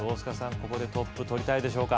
ここでトップ取りたいでしょうか？